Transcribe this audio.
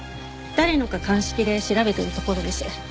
誰のか鑑識で調べてるところです。